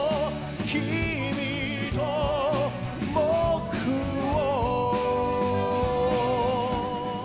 「君と僕を」